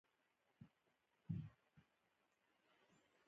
واوره د افغانستان د جغرافیایي موقیعت یوه پایله ده.